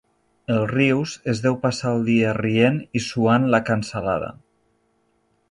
El Rius es deu passar el dia rient i suant la cansalada.